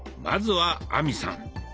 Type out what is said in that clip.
まずは亜美さん。